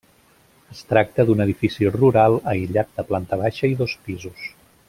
Es tracta d'un edifici rural aïllat de planta baixa i dos pisos.